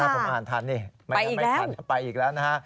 ผมอ่านทันนี่ไปอีกแล้ว